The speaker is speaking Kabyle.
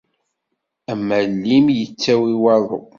Am walim yettawi waḍu.